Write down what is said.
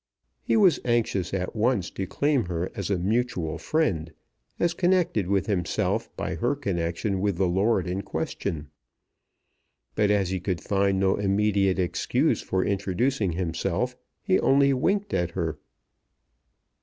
He was anxious at once to claim her as a mutual friend, as connected with himself by her connection with the lord in question. But as he could find no immediate excuse for introducing himself, he only winked at her.